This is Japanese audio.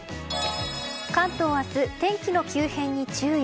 関東は明日、天気の急変に注意。